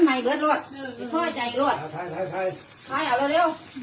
หล่ะเยอะเร็วผมมีตลอดทำนวรรดิ